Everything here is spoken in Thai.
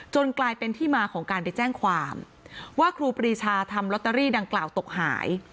กลายเป็นที่มาของการไปแจ้งความว่าครูปรีชาทำลอตเตอรี่ดังกล่าวตกหาย